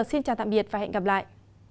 xin chào tạm biệt và hẹn gặp lại